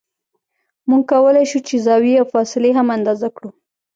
موږ کولای شو چې زاویې او فاصلې هم اندازه کړو